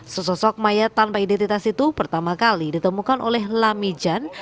sesosok mayat tanpa identitas itu pertama kali ditemukan oleh lami jan